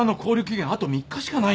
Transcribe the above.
あと３日しかないんだよ。